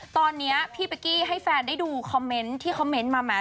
ตอนนี้พี่เป๊กกี้ให้แฟนได้ดูคอมเมนต์ที่คอมเมนต์มาไหม